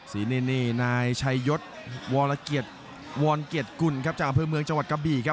สีนินนี่นายชายศวรเกียรติกุลจังหาภูมิเมืองจังหวัดกะบีครับ